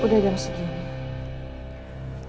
udah jam segini